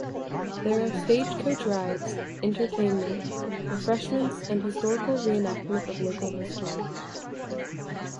There are stage coach rides, entertainment, refreshments and historical reenactment of local history.